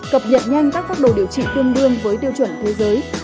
cập nhận nhanh các phát đồ điều trị tương đương với tiêu chuẩn thế giới